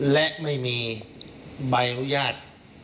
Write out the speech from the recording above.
และไม่มีใบอนุญาต